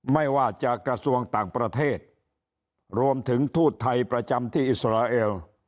ไม่ว่าจะกระทรวงต่างประเทศรวมถึงทูตไทยประจำที่อิสราเอล